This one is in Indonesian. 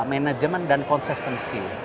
manajemen dan konsistensi